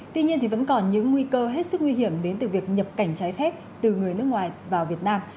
tuy nhiên vẫn còn những nguy cơ hết sức nguy hiểm đến từ việc nhập cảnh trái phép từ người nước ngoài vào việt nam